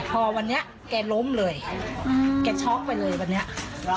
พอวันนี้แกล้มเลยแกช็อกไปเลยวันนี้